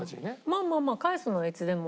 まあまあまあ返すのはいつでも。